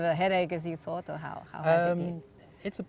lebih banyak dari yang kita pikirkan